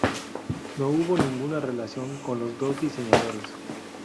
No hubo ninguna relación con los dos diseñadores.